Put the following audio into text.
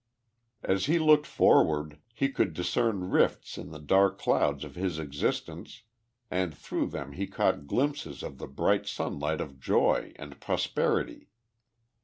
As he looked forward he could discern rifts in the dark clouds of his existence and through them lie caught glimpses of the bright sunlight of joy and pros perity.